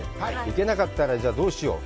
行けなかったら、じゃあ、どうしよう。